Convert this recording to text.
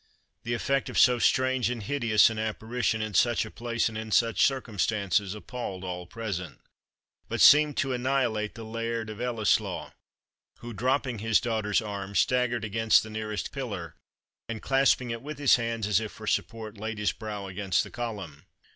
The effect of so strange and hideous an apparition in such a place and in such circumstances, appalled all present, but seemed to annihilate the Laird of Ellieslaw, who, dropping his daughter's arm, staggered against the nearest pillar, and, clasping it with his hands as if for support, laid his brow against the column.